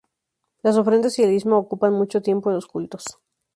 Las ofrendas y el diezmo ocupan mucho tiempo en los cultos.